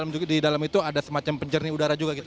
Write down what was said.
jadi di dalam itu ada semacam pencerni udara juga gitu